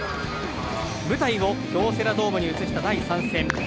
舞台を京セラドームに移した第３試合。